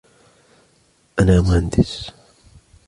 انا مهندس.